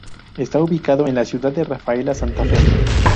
Está ubicado en la ciudad de Rafaela, Santa Fe.